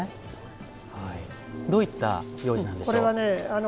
どういった行事なんでしょう？